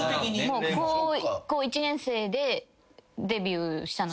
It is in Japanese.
高校１年生でデビューしたので。